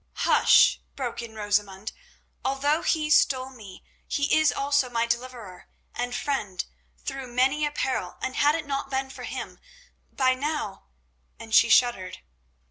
"Hush!" broke in Rosamund. "Although he stole me, he is also my deliverer and friend through many a peril, and, had it not been for him, by now—" and she shuddered.